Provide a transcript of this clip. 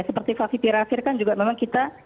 seperti fafiq tirafir kan juga memang kita